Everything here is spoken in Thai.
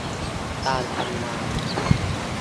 การทำงาน